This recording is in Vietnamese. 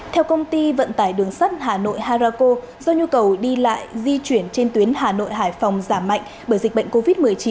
theo công ty vận tải đường sắt hà nội harako do nhu cầu đi lại di chuyển trên tuyến hà nội hải phòng giảm mạnh bởi dịch bệnh covid một mươi chín